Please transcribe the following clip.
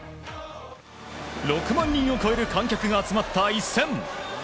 ６万人を超える観客が集まった一戦。